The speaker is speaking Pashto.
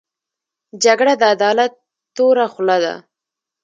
جګړه د عدالت توره خوله ده